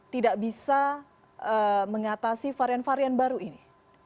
tidak bisa mengatasi varian varian baru ini